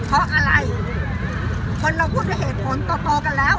เพราะอะไรคนเราพูดว่าเหตุผลต่อต่อกันแล้ว